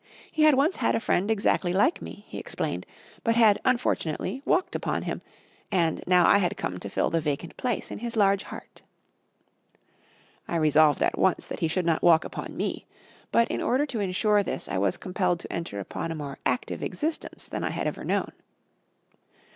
He had once had a friend exactly like me, he explained, but had unfortunately walked upon him, and now I had come to fill the vacant place in his large heart. I resolved at once that he should not walk upon me; but in order to insure this, I was compelled to enter upon a more active existence than I had ever known.